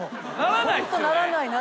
ホントならない。